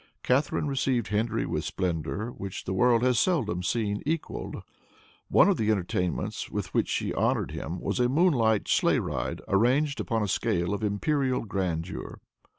Catharine received Henry with splendor which the world has seldom seen equaled. One of the entertainments with which she honored him was a moonlight sleigh ride arranged upon a scale of imperial grandeur.